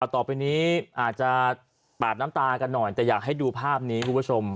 ต่อไปนี้อาจจะปาดน้ำตากันหน่อยแต่อยากให้ดูภาพนี้คุณผู้ชม